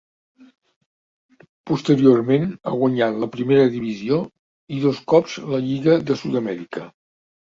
Posteriorment ha guanyat la primera divisió i dos cops la Lliga de Sud-amèrica.